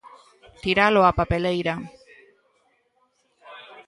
Tiralo á papeleira.